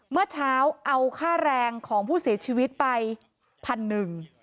เมื่อเช้าเอาค่าแรงของผู้เสียชีวิตไปพันหนึ่ง